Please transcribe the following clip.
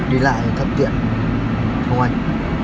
đi lại thuận tiện không anh